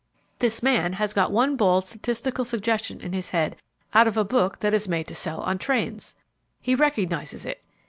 This man has got one bald statistical suggestion in his head out of a book that is made to sell on trains. He recognizes it.